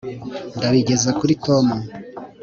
Nzabigeza kuri Tom